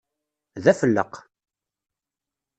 D afellaq!